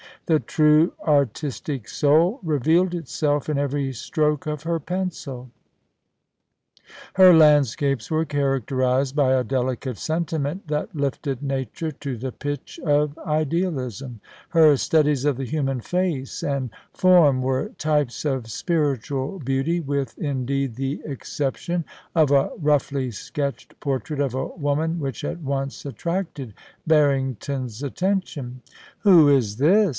The true artistic soul re vealed itself in every stroke of her pencil. Her landscapes were characterised by a delicate sentiment that lifted nature to the pitch of idealism ; her studies of the human face and form were types of spiritual beauty, with indeed the excep tion of a roughly sketched portrait of a woman which at once attracted Barrington's attention. 'Who is this?